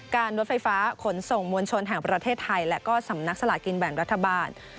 รถไฟฟ้าขนส่งมวลชนแห่งประเทศไทยและก็สำนักสลากินแบ่งรัฐบาล